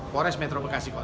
pores metropokasi kota